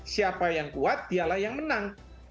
siapa yang kuat dialah yang menang